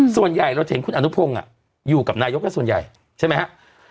ส่วนใหญ่เราจะเห็นคุณอนุพงศ์อยู่กับนายกก็ส่วนใหญ่ใช่ไหมครับ